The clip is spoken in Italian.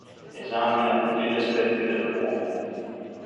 Esamina tutti gli aspetti dell'uomo.